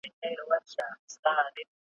چي تعویذ به مي مضمون د هر غزل وو ,